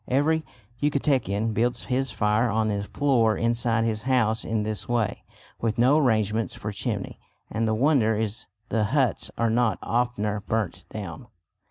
Every Yucatecan builds his fire on the floor inside his house in this way, with no arrangements for chimney, and the wonder is the huts are not oftener burnt down.